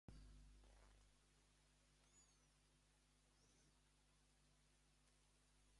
Come and lay off your things, Amy.